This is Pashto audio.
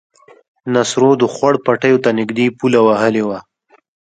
نصرو د خوړ پټيو ته نږدې پوله وهلې وه.